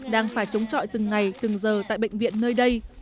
đang phải chống trọi từng ngày từng giờ tại bệnh viện nơi đây